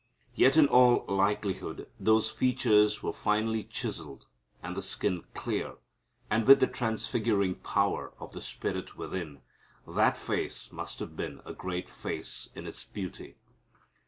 Yet in all likelihood those features were finely chiselled and the skin clear, and with the transfiguring power of the spirit within, that face must have been a great face in its beauty.